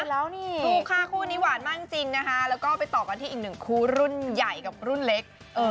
แล้วนี่ถูกค่ะคู่นี้หวานมากจริงนะคะแล้วก็ไปต่อกันที่อีกหนึ่งคู่รุ่นใหญ่กับรุ่นเล็ก